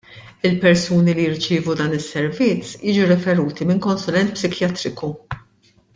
Il-persuni li jirċievu dan is-servizz jiġu riferuti min konsulent psikjatriku.